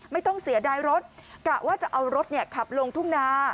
ไม่ต้องเสียดายรถกะว่าจะเอารถขับลงทุ่งนา